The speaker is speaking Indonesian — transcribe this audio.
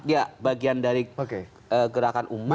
ya bagian dari gerakan umat